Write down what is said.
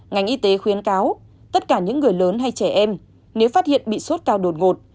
ngành y tế khuyến cáo tất cả những người lớn hay trẻ em nếu phát hiện bị sốt cao đột ngột